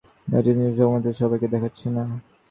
মেয়েটি নিজের সব ক্ষমতাও সবাইকে দেখাচ্ছে না।